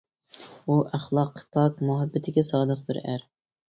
ئۇ - ئەخلاقىي پاك، مۇھەببىتىگە سادىق بىر ئەر.